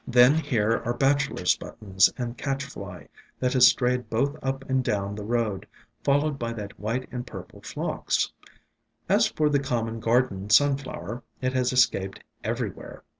Then here are Bachelor's Buttons and Catchfly, that has strayed both up and down the road, followed by that white and purple Phlox. As for the common garden Sunflower, it has escaped everywhere.